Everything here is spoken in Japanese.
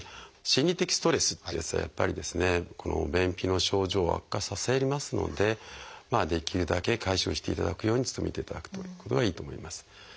心理的ストレスというやつはやっぱりこの便秘の症状を悪化させますのでできるだけ解消していただくように努めていただくということがいいと思います。